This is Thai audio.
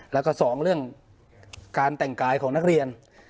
แล้วก็สองเรื่องการแต่งกายของนักเรียน